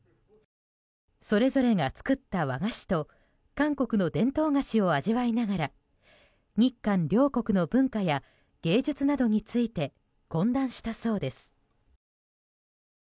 それぞれが作った和菓子と韓国の伝統菓子を味わいながら日韓両国の文化や芸術などについて懇談したそうです。